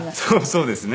そうですね。